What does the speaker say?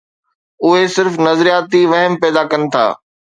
اهي صرف نظرياتي وهم پيدا ڪن ٿا.